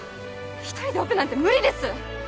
１人でオペなんて無理です